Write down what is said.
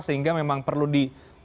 sehingga memang perlu di